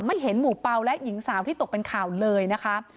เห็นหมู่เปล่าและหญิงสาวที่ตกเป็นข่าวเลยนะคะ